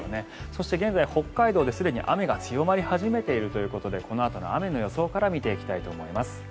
そして現在、北海道ですでに雨が強まり始めているということでこのあとの雨の予想から見ていきたいと思います。